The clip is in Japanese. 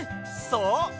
そう！